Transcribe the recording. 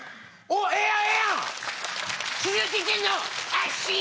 ええやん！